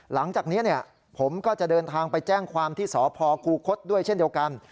หลังจากนี้ผมก็จะเดินทางไปแจ้งความที่สพคูคศด้วยเช่นเดียวกัน